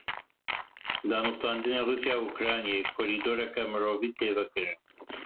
Danûstandinên Rûsya û Ukraynayê; korîdoreke mirovî tê vekirin.